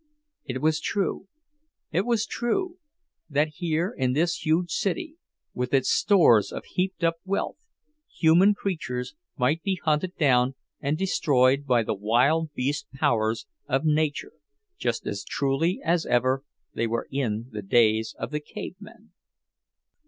It was true, it was true,—that here in this huge city, with its stores of heaped up wealth, human creatures might be hunted down and destroyed by the wild beast powers of nature, just as truly as ever they were in the days of the cave men!